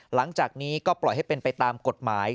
หลังจากนี้ก็ปล่อยให้เป็นไปตามกฎหมาย